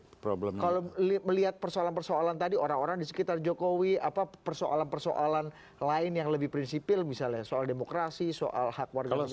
kalau melihat persoalan persoalan tadi orang orang di sekitar jokowi apa persoalan persoalan lain yang lebih prinsipil misalnya soal demokrasi soal hak warga negara